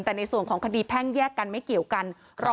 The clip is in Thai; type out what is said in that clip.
แต่ในส่วนของคดีแพ่งแยกกันไม่เกี่ยวกัน